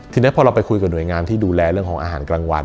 ทีนี้พอเราไปคุยกับหน่วยงานที่ดูแลเรื่องของอาหารกลางวัน